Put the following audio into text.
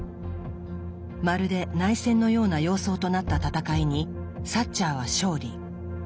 まるで内戦のような様相となった戦いにサッチャーは勝利。